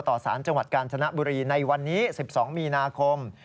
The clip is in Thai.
ต่อสารจังหวัดกาญจนบุรีในวันนี้๑๒มีนาคม